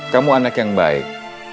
kamu anak yang baik